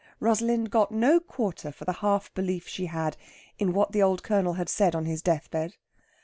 Rosalind got no quarter for the half belief she had in what the old Colonel had said on his death bed.